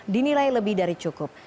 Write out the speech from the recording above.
dinilai lebih dari cukup